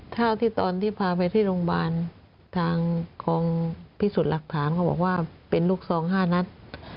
เท่าที่ตอนที่พาไปที่โรงพยาบาลทางกองพิสูจน์หลักฐานเขาบอกว่าเป็นลูกซอง๕นัด